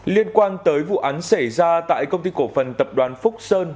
liên quan tới vụ án xảy ra tại công ty cổ phần tập đoàn phúc sơn